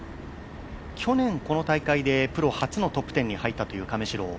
去年、この大会でプロ初のトップ１０に入った亀代。